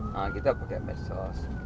nah kita pakai medsos